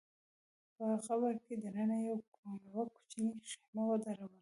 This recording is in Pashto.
په قبر کي دننه يې يوه کوچنۍ خېمه ودروله